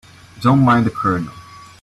Don't mind the Colonel.